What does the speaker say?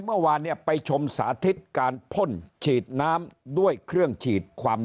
เมื่อวานเนี่ยไปชมสาธิตการพ่นฉีดน้ำด้วยเครื่องฉีดความ